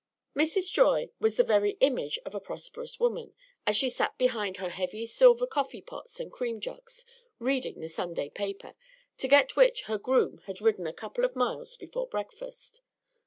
Mrs. Joy was the very image of a prosperous woman, as she sat behind her heavy silver coffee pots and cream jugs, reading the Sunday paper, to get which her groom had ridden a couple of miles before breakfast.